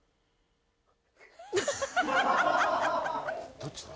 どっちだ？